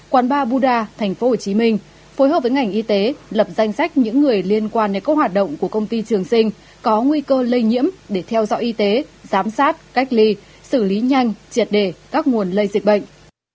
quán ba buda tp hcm phối hợp với ngành y tế lập danh sách những người liên quan đến các hoạt động của công ty trường sinh có nguy cơ lây nhiễm để theo dõi y tế giám sát cách ly xử lý nhanh triệt đề các nguồn lây dịch bệnh